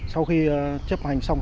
sau khi chấp hành xong